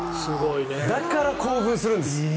だから興奮するんです。